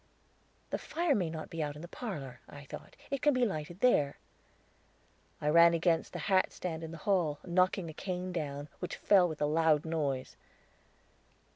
"The fire may not be out in the parlor," I thought; "it can be lighted there." I ran against the hatstand in the hall, knocking a cane down, which fell with a loud noise.